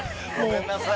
◆ごめんなさい。